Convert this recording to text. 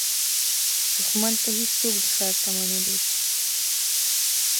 دښمن ته هېڅوک د خیر تمه نه لري